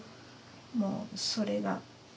もうそれが。